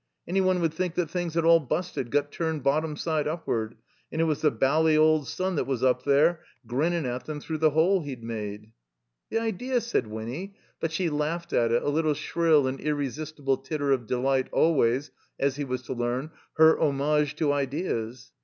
Any one would think that things had all busted, got turned bottom side upward, and it was the bally old sun that was up there, grinnin' at them, through the hole he'd made. ''The idea!" said Wiony; but she laughed at it, a little shrill and irresistible titter of delight always, as he was to learn, her homage to "ideas."